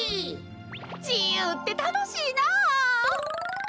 じゆうってたのしいな！